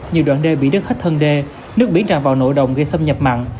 nhiều đoạn đê bị đứt hết thân đê nước biển tràn vào nội đồng gây xâm nhập mặn